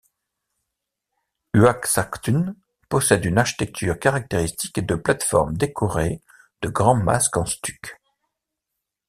Uaxactun possède une architecture caractéristique de plateformes décorées de grands masques en stuc.